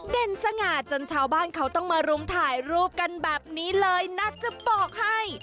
สง่าจนชาวบ้านเขาต้องมารุมถ่ายรูปกันแบบนี้เลยนะจะบอกให้